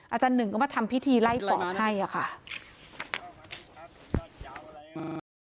อาจารย์หนึ่งก็มาทำพิธีไล่ปอบให้อะค่ะ